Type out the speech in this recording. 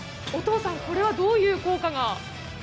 お父さんこれはどういう効果が？